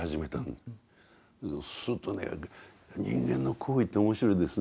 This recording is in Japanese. するとね人間の行為って面白いですね。